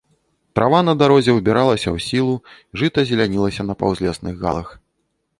Трава на дарозе ўбіралася ў сілу, жыта зелянілася на паўзлесных галах.